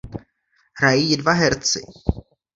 Hrají ji dva herci.